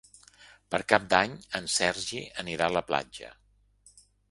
Per Cap d'Any en Sergi anirà a la platja.